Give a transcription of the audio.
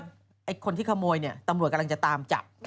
ไอ้คนที่ขโมยเนี่ยตำรวจกำลังจะตามจับ